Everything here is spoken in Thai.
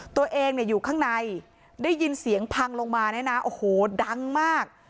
ตัวเองเนี่ยอยู่ข้างในได้ยินเสียงพังลงมาเนี่ยนะโอ้โหดังมาก